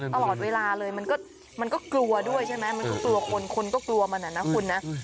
ตลอดเวลาเลยมันก็กลัวด้วยใช่ไหมมันก็กลัวคนคนก็กลัวมันอะนะคุณนะ